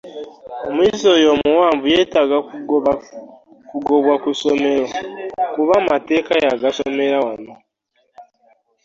Omuyizi oyo omuwanvu yeetaaga kugobwa ku ssomero kuba amateeka yagasomera wano.